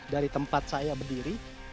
dari tempat saya berdiri